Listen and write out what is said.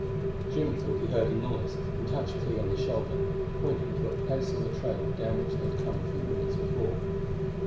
Jim thought he heard a noise, and touched Clee on the shoulder, pointing to a place on the trail down which they had come a few minutes before.